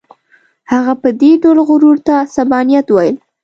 هغه به دې ډول غرور ته عصبانیت ویل.